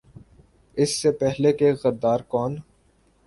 اس سے پہلے کہ "غدار کون؟